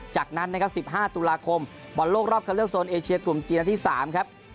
จากนั้นนะครับ๑๕ตุลาคมบอลโลกรอบคันเลือกโซนเอเชียกลุ่มจีนนัดที่๓ครับ